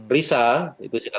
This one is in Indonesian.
risa itu sih ada di bapak presiden